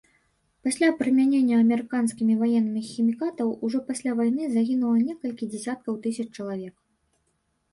Пасля прымянення амерыканскімі ваеннымі хімікатаў ўжо пасля вайны загінула некалькі дзесяткаў тысяч чалавек.